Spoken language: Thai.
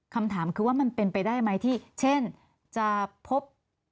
คำถามคือว่ามันเป็นไปได้ไหมที่เช่นจะพบ